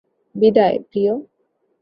বিদায়, প্রিয়।